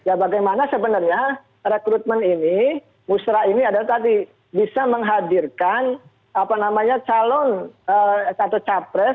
ya bagaimana sebenarnya rekrutmen ini musrah ini adalah tadi bisa menghadirkan apa namanya calon atau capres calon pemimpin